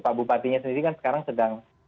pak bupatinya sendiri kan sekarang sedang